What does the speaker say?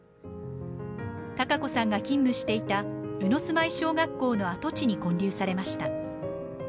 タカ子さんが勤務していた鵜住居小学校の跡地に建立されました。